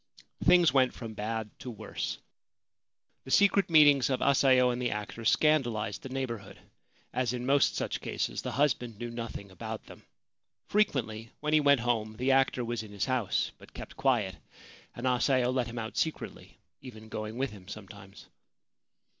Things went from bad to worse. The secret meetings of Asayo and the actor scandalised the neighbourhood. As in most such cases, the husband knew nothing about 29 Ancient Tales and Folklore of Japan them. Frequently, when he went home, the actor was in his house, but kept quiet, and Asayo let him out secretly, even going with him sometimes.